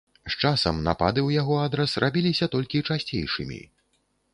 З часам напады ў яго адрас рабіліся толькі часцейшымі.